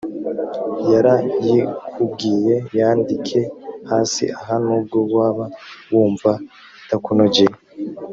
yarayikubwiye yandike hasi aha nubwo waba wumva itakunogeye